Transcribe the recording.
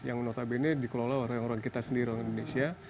yang notabene dikelola orang orang kita sendiri orang indonesia